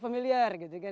familiar gitu kan